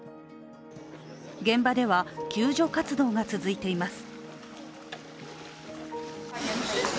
現場では、救助活動が続いています。